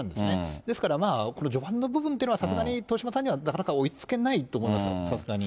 ですからこの序盤の部分というのはさすがに豊島さんにはなかなか追いつけないと思います、さすがに。